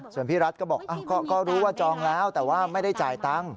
ส่วนพี่รัฐก็บอกก็รู้ว่าจองแล้วแต่ว่าไม่ได้จ่ายตังค์